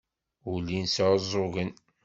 Ur llin sɛuẓẓugen.